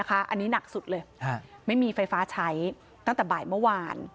อันนี้หนักสุดเลยไม่มีไฟฟ้าใช้ตั้งแต่บ่ายเมื่อวาน